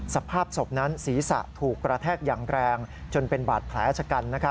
สภาพศพนั้นศีรษะถูกกระแทกอย่างแรงจนเป็นบาดแผลชะกัน